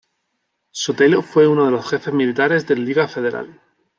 Sotelo fue uno de los jefes militares del Liga Federal.